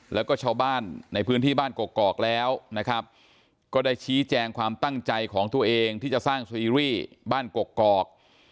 แล้วก็ชาวบ้านในพื้นที่บ้านกกอกแล้วนะครับก็ได้ชี้แจงความตั้งใจของตัวเองที่จะสร้างซีรีส์บ้านกกอก